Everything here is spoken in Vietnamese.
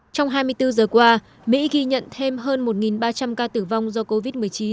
trong hai mươi bốn giờ qua mỹ ghi nhận thêm hơn một ba trăm linh ca tử vong do covid một mươi chín